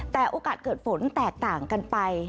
แต่โอกาสเกิดฝนแตกต่างกันไป